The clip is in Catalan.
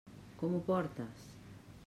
Com ho portes?